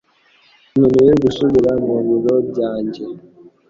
Nkeneye gusubira mu biro byanjye